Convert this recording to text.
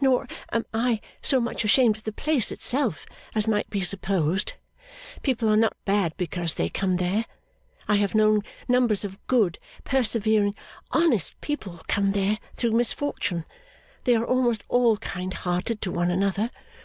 Nor am I so much ashamed of the place itself as might be supposed. People are not bad because they come there. I have known numbers of good, persevering, honest people come there through misfortune. They are almost all kind hearted to one another.